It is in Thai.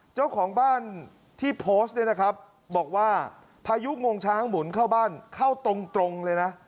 เจ้าของบ้านที่โพสต์เนี่ยนะครับบอกว่าพายุงวงช้างหมุนเข้าบ้านเข้าตรงเลยนะ